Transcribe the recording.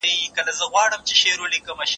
موږ باید د خپلو پوهانو قدر وکړو.